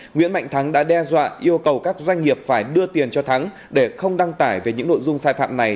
nguyễn mạnh thắng đã đe dọa yêu cầu các doanh nghiệp phải đưa tiền cho thắng để không đăng tải về những nội dung sai phạm này